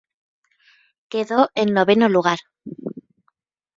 Quedó en noveno lugar.